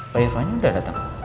pak irvannya udah datang